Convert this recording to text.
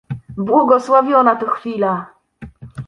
"Błogosławiona to chwila!"